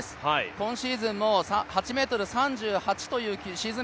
今シーズンも８ｍ３８というシーズン